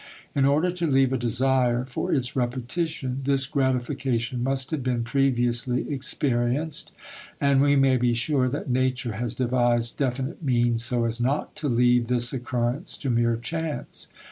In order to leave a desire for its repetition this gratification must have been previously experienced, and we may be sure that nature has devised definite means so as not to leave this occurrence to mere chance.